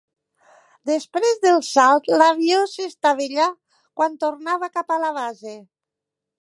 Després del salt l'avió s'estavellà quan tornava cap a la base.